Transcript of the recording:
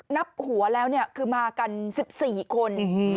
นับหัวแล้วคือมากัน๑๔คน